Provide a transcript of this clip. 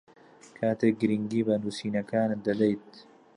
کاتێک گرنگی بە نووسینەکانت دەدەیت